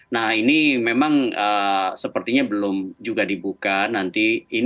nah ini memang sepertinya belum juga dibuka nanti